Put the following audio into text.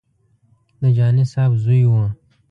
د جهاني صاحب زوی و.